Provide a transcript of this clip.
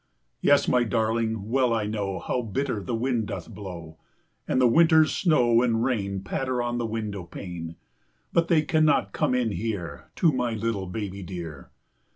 Yes, my darling, well I know How the bitter wind doth blow; And the winter's snow and rain Patter on the window pane: But they cannot come in here, To my little baby dear.